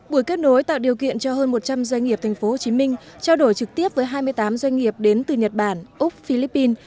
buổi kết nối tạo điều kiện cho hơn một trăm linh doanh nghiệp tp hcm trao đổi trực tiếp với hai mươi tám doanh nghiệp đến từ nhật bản úc philippines